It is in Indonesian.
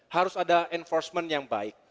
harus ada enforcement yang baik